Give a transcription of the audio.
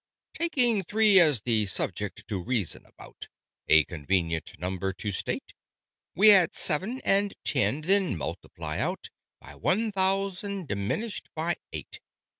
"Taking Three as the subject to reason about A convenient number to state We add Seven, and Ten, and then multiply out By One Thousand diminished by Eight.